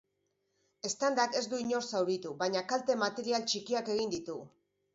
Eztandak ez du inor zauritu, baina kalte-material txikiak egin ditu.